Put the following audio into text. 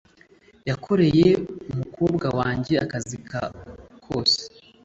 Yakoreye umukobwa wanjye akazi ka kose.